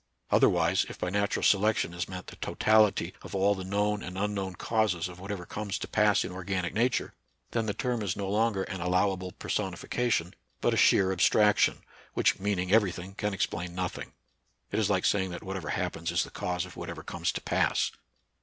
Otherwise, if by natural selection is meant the totality of all the known and unknown causes of whatever comes to pass in organic nature, then the term is no longer an allowable person ification, but a sheer abstraction, which mean ing every thing, can explain nothing. It is like saying that whatever happens is the cause of whatever .comes to pass.